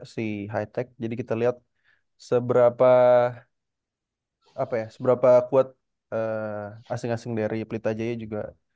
si high tech jadi kita lihat seberapa apa ya seberapa kuat asing asing dari pelita jaya juga